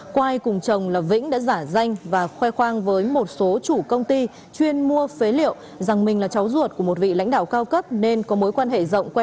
quai cùng chồng là vĩnh đã giả danh và khoe khoang với một số chủ công ty chuyên mua phế liệu